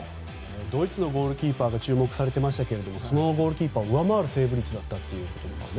ドイツのゴールキーパーが注目されていましたがそのゴールキーパーを上回るセーブ率だったと。